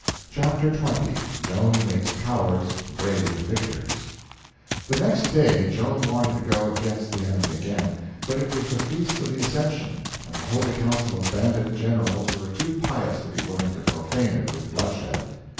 Chapter 20 Joan Makes Cowards Brave Victors THE NEXT day Joan wanted to go against the enemy again, but it was the feast of the Ascension, and the holy council of bandit generals were too pious to be willing to profane it with bloodshed.